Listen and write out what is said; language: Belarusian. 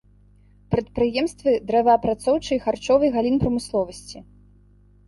Прадпрыемствы дрэваапрацоўчай і харчовай галін прамысловасці.